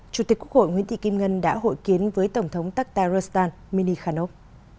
chủ tịch quốc hội nguyễn thị kim ngân đã hội kiến với tổng thống taktarustan mini khanop